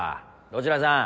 どちらさん？